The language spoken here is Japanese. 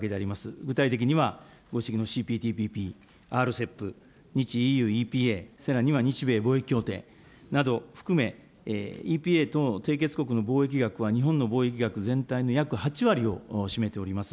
具体的には、ご指摘のＣＰＴＰＰ、ＲＣＥＰ、日ＥＵＥＰＡ、さらには日米防衛協定などを含め、ＥＰＡとの締結国の貿易額は日本の貿易額の全体の約８割を占めております。